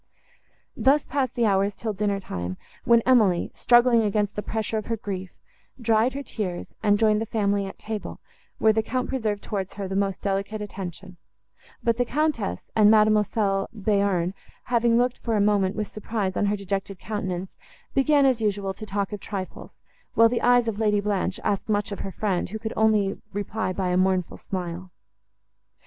Thus passed the hours till dinner time, when Emily, struggling against the pressure of her grief, dried her tears, and joined the family at table, where the Count preserved towards her the most delicate attention; but the Countess and Mademoiselle Bearn, having looked, for a moment, with surprise, on her dejected countenance, began, as usual, to talk of trifles, while the eyes of Lady Blanche asked much of her friend, who could only reply by a mournful smile.